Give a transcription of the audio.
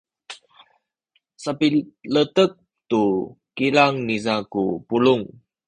sapiletek tu kilang niza ku pulung.